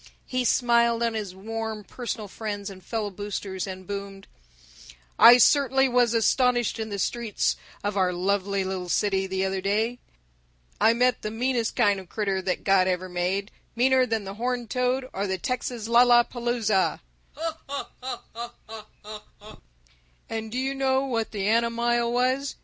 He smiled on his warm personal friends and fellow boosters, and boomed: "I certainly was astonished in the streets of our lovely little city, the other day. I met the meanest kind of critter that God ever made meaner than the horned toad or the Texas lallapaluza! And do you know what the animile was?